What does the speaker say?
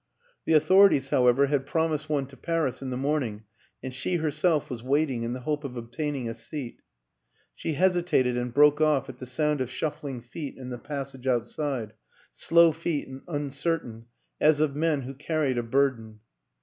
The authorities, however, had promised one to Paris in the morning and she, herself, was waiting in the hope of obtaining a seat. She hesitated and broke off at the sound of shuffling feet in the passage outside slow feet and un certain, as of men who carried a burden.